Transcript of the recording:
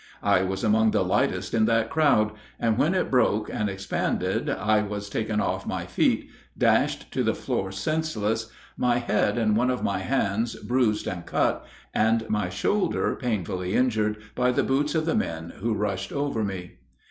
I was among the lightest in that crowd; and when it broke and expanded I was taken off my feet, dashed to the floor senseless, my head and one of my hands bruised and cut, and my shoulder painfully injured by the boots of the men who rushed over me.